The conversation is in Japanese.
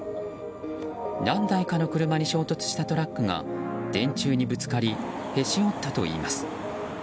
何台かの車に衝突したトラックが電柱にぶつかりへし折ったといいます。